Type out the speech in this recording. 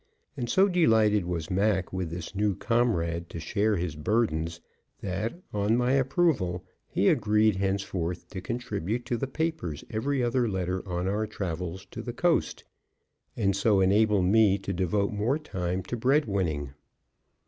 And so delighted was Mac with this new comrade to share his burdens that, on my approval, he agreed henceforth to contribute to the papers every other letter on our travels to the coast, and so enable me to devote more time to bread winning.